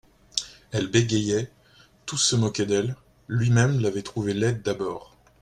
Elle bégayait, tous se moquaient d'elle, lui-même l'avait trouvée laide d'abord.